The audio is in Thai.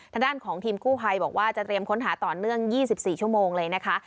ทางด้านของทีมกู้ภัยบอกว่าจะเตรียมค้นหาต่อเนื่อง๒๔ชั่วโมงเลยนะคะ